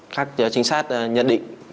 các trinh sát nhận định